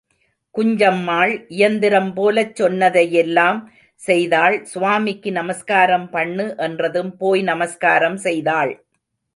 குஞ்சம்மாள் இயந்திரம்போலச் சொன்னதையெல்லாம் செய்தாள் சுவாமிக்கு நமஸ்காரம் பண்ணு என்றதும் போய் நமஸ்காரம் செய்தாள்.